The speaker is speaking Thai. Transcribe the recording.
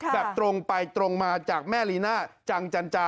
แบบตรงไปตรงมาจากแม่ลีน่าจังจันจา